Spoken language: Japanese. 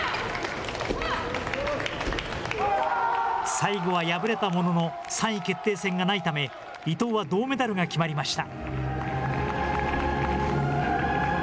最後は敗れたものの、３位決定戦がないため、伊藤は銅メダルが決まりました。